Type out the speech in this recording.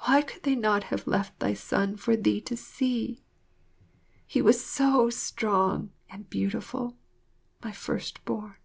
Why could they not have left thy son for thee to see? He was so strong and beautiful, my first born.